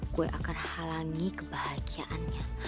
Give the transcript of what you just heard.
gue akan halangi kebahagiaannya